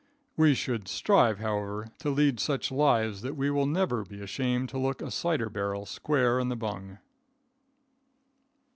We should strive, however, to lead such lives that we will never be ashamed to look a cider barrel square in the bung.